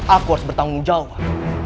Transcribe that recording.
aku harus bertanggung jawab